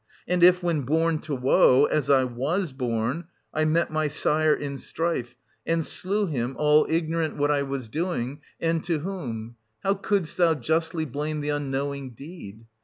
And if, when born to woe — as I was born — I met my sire in strife, and slew him, all ignorant 977— ioo«] OEDIPUS AT COLONUS. 97 what I was doing, and to whom, — how couldst thou justly blame the unknowing deed?